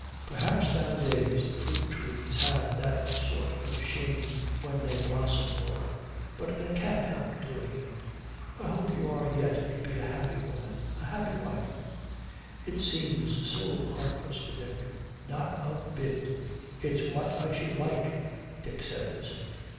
'Perhaps, nowadays, the fruit trees have that sort of shame when they blossom, Laura; but they can't help doing it. I hope you are yet to be a happy woman, a happy wife.' 'It seems so heartless to Dick.' 'Not a bit; it's what I should like,' Dick says.